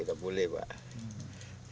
tak boleh pak